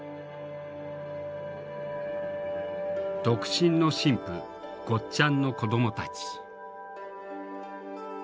独身の神父ゴッちゃんの子どもたち。